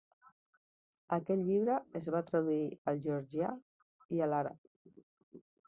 Aquest llibre es va traduir al georgià i a l"àrab.